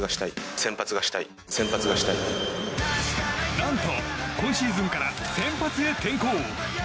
何と、今シーズンから先発へ転向。